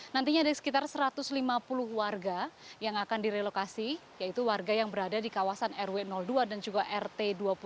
nantinya ada sekitar satu ratus lima puluh warga yang akan direlokasi yaitu warga yang berada di kawasan rw dua dan juga rt dua puluh